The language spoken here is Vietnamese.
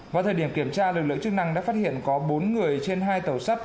vào thời điểm kiểm tra lực lượng chức năng đã phát hiện có bốn người trên hai tàu sắt